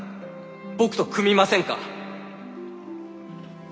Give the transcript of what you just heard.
僕と組みませんか？